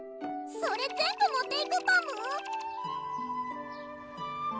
それ全部持っていくパム？